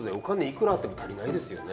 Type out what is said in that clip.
いくらあっても足りないですよね。